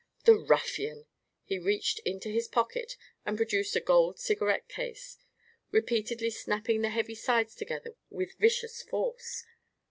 "The ruffian!" He reached into his pocket and produced a gold cigarette case, repeatedly snapping the heavy sides together with vicious force.